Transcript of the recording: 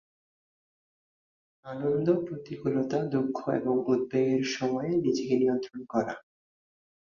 আনন্দ, প্রতিকূলতা, দুঃখ এবং উদ্বেগের সময়ে নিজেকে নিয়ন্ত্রণ করা।